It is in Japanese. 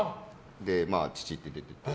まあ、父って出てて。